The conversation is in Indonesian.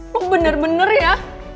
lo bener bener ya